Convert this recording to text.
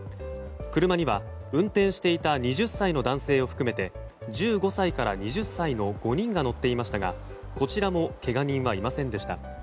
車には運転していた２０歳の男性を含めて１５歳から２０歳の５人が乗っていましたがこちらもけが人はいませんでした。